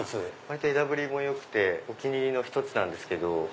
枝ぶりも良くてお気に入りの１つなんですけど。